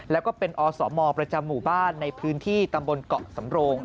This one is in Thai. แล้วก็เป็นอสมประจำหมู่บ้านในพื้นที่ตำบลเกาะสำโรง